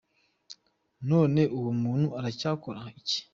None uwo muntu aracyakora iki ?.